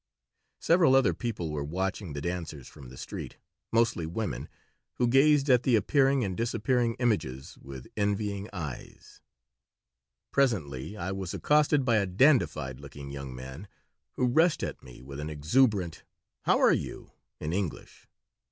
Several other people were watching the dancers from the street, mostly women, who gazed at the appearing and disappearing images with envying eyes Presently I was accosted by a dandified looking young man who rushed at me with an exuberant, "How are you?" in English.